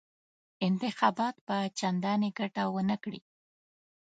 انتخابات به چنداني ګټه ونه کړي.